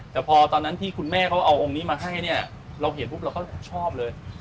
แต่พอตอนนั้นที่คุณแม่เขาเอาองค์นี้มาให้เนี่ยเราเห็นปุ๊บเราก็ชอบเลย